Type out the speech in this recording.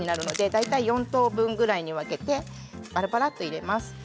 大体４等分ぐらいに分けてバラバラと入れます。